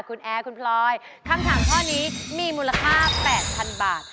คุณแอร์คุณพลอยคำถามข้อนี้มีมูลค่า๘๐๐๐บาท